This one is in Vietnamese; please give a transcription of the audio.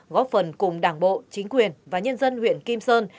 góp phần cùng đảng bộ chính quyền và nhân dân huyện kim sơn